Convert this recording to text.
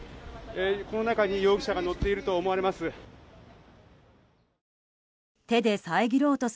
この中に容疑者が乗っていると思われます。